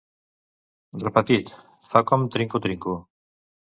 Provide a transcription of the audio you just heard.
Repetit, fa com trinco trinco.